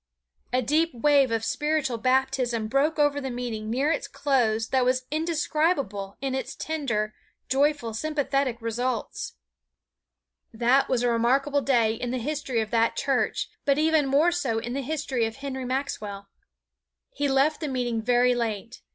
A deep wave of spiritual baptism broke over the meeting near its close that was indescribable in its tender, joyful, sympathetic results. That was a remarkable day in the history of that church, but even more so in the history of Henry Maxwell. He left the meeting very late.